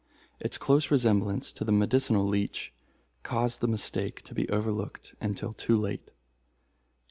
Its close resemblance to the medicinal leech caused the mistake to be overlooked until too late.